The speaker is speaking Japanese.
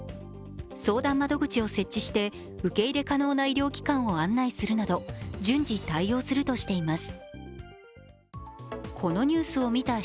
相談窓口を設置して、受け入れ可能な医療機関を案内するなど順次、対応するとしています。